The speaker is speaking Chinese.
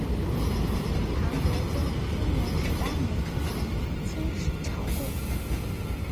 唐德宗贞元十八年曾遣使朝贡。